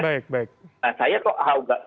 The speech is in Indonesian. baik baik nah saya kok ahokan